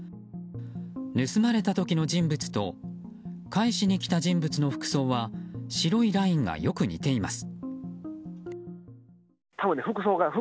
盗まれた時の人物と返しに来た人物の服装は白いラインがよく似ています。